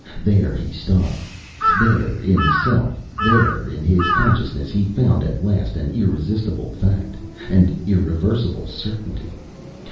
There he stopped: there in self, there in his consciousness, he found at last an irresistible fact, an irreversible certainty.